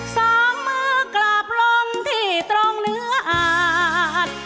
สองมือกลับลงที่ตรงเนื้ออาจ